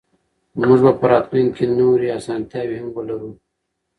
موږ به په راتلونکي کې نورې اسانتیاوې هم ولرو.